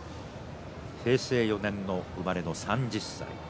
平成４年生まれの３０歳。